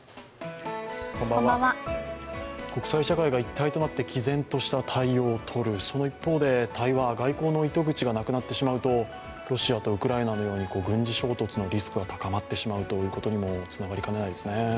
国際社会が一体となって毅然とした対応をとる、その一方で台湾は外交の糸口がなくなってしまうとロシアとウクライナのように軍事衝突のリスクが高まってしまうということにもつながりかねないですね。